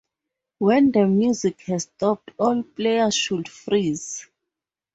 When the music has stopped all players should freeze.